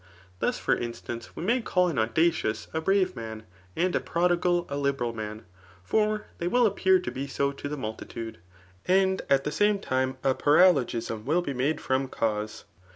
Thus, for instance, we may. call, an audacious, a brave man ; and a prodigal, a liberal man. For they will appear to be so to the muhitude ^ and at the same time a ptm* logism will be made from cause.